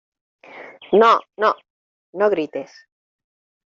¡ no, no! no grites.